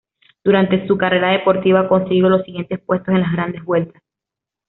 Durante su carrera deportiva ha conseguido los siguientes puestos en las Grandes Vueltas